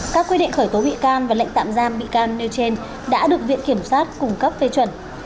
các quy định khởi tố bị can và lệnh tạm giam bị can nêu trên đã được viện kiểm sát cung cấp phê chuẩn